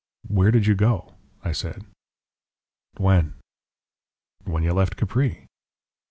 "Where did you go?" I said. "When?" "When you left Capri."